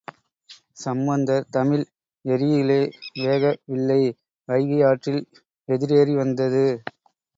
சம்பந்தர் தமிழ், எரியிலே வேக வில்லை வைகை யாற்றில் எதிரேறி வந்தது.